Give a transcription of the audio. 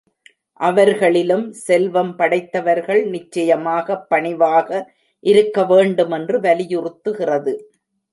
அவர்களிலும் செல்வம் படைத்தவர்கள் நிச்சயமாகப் பணிவாக இருக்க வேண்டும் என்று வலியுறுத்துகிறது.